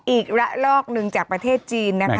อีกระลอกหนึ่งจากประเทศจีนนะคะ